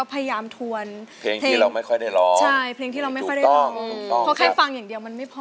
ปีตินเต้นมากมันต้องเป็นต่อไป